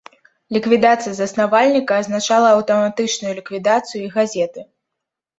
Ліквідацыя заснавальніка азначала аўтаматычную ліквідацыю і газеты.